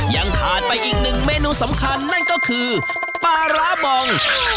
ยังขาดไปอีกหนึ่งเมนูสำคัญนั่นก็คือปลาร้าบอง